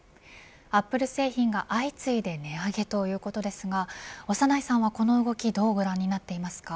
アップル製品が相次いで値上げということですが長内さんはこの動きどうご覧になっていますか。